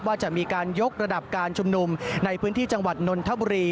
ว่าจะมีการยกระดับการชุมนุมในพื้นที่จังหวัดนนทบุรี